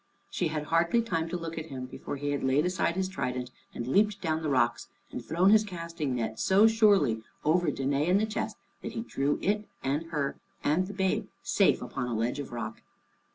She had hardly time to look at him, before he had laid aside his trident and leapt down the rocks, and thrown his casting net so surely over Danæ and the chest, that he drew it and her and the babe safe upon a ledge of rock.